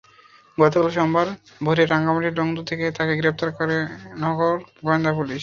গতকাল সোমবার ভোরে রাঙামাটির লংগদু থেকে তাঁকে গ্রেপ্তার করে নগর গোয়েন্দা পুলিশ।